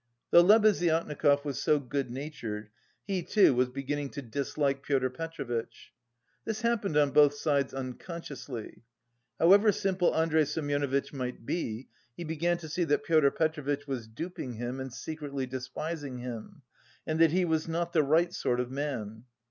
Though Lebeziatnikov was so good natured, he, too, was beginning to dislike Pyotr Petrovitch. This happened on both sides unconsciously. However simple Andrey Semyonovitch might be, he began to see that Pyotr Petrovitch was duping him and secretly despising him, and that "he was not the right sort of man."